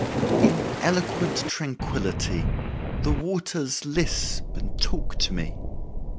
In eloquent tranquility The waters lisp and talk to me.